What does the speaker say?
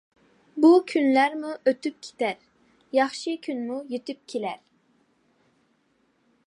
بۇ كۈنلەرمۇ ئۆتۈپ كېتەر، ياخشى كۈنمۇ يېتىپ كېلەر.